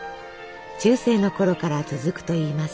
中世のころから続くといいます。